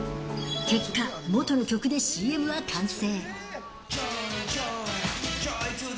結果、元の曲でＣＭは完成。